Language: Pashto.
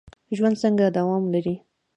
ژوند څنګه دوام لري؟